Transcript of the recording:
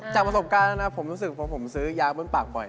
จากประสบการณ์นะครับผมซื้อยาบวนปากบ่อย